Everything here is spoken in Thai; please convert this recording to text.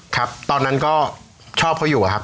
ครับตอนนั้นก็ชอบเขาอยู่อะครับ